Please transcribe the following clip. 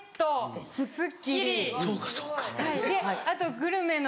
であとグルメの。